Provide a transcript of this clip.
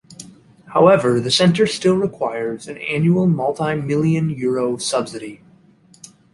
However the centre still requires an annual multi million euro subsidy.